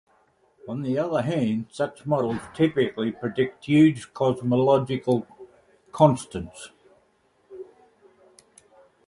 On the other hand, such models typically predict huge cosmological constants.